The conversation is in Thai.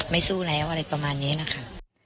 สู้แล้วอะไรประมาณนี้นะคะ